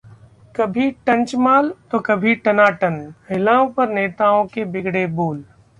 कभी 'टंचमाल' तो कभी 'टनाटन', महिलाओं पर नेताओं के बिगड़े बोल!